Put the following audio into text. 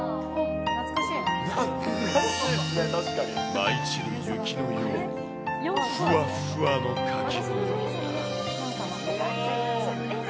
舞い散る雪のように、ふわっふわのかき氷が。